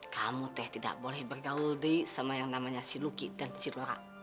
kamu teh tidak boleh bergaul deh sama yang namanya si luki dan si lora